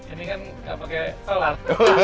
ini kan gak pake solar